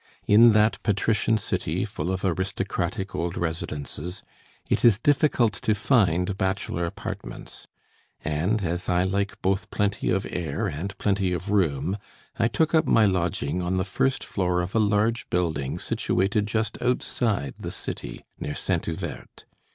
In that patrician city, full of aristocratic old residences, it is difficult to find bachelor apartments; and, as I like both plenty of air and plenty of room, I took up my lodging on the first floor of a large building situated just outside the city, near Saint Euverte.